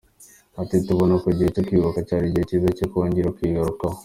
Ati”Tubona ko igihe cyo kwibuka cyari igihe cyiza cyo kongera kwigarukaho.